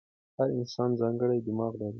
هر انسان ځانګړی دماغ لري.